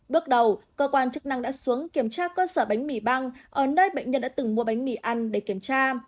bước đầu cơ quan chức năng đã xuống kiểm tra cơ sở bánh mì băng ở nơi bệnh nhân đã từng mua bánh mì ăn để kiểm tra